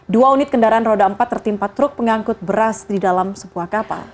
dua unit kendaraan roda empat tertimpa truk pengangkut beras di dalam sebuah kapal